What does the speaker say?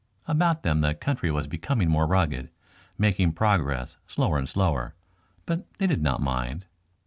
About them the country was becoming more rugged, making progress slower and slower, but they did not mind.